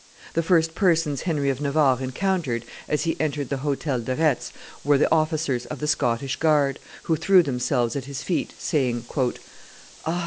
The first persons Henry of Navarre encountered as he entered the Hotel de Retz were the officers of the Scottish guard, who threw themselves at his feet, saying, "Ah!